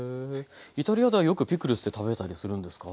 イタリアではよくピクルスって食べたりするんですか？